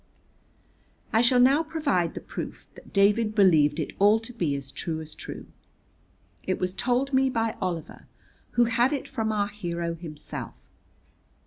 I shall now provide the proof that David believed it all to be as true as true. It was told me by Oliver, who had it from our hero himself.